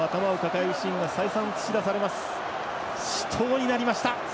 死闘になりました。